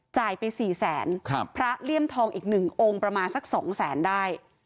จ่ายไป๔๐๐๐๐๐บาทครับพระเหรียมทองอีกหนึ่งโองประมาณสัก๒๐๐๐๐๐ได้